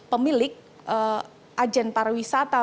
pemilik ajen pariwisata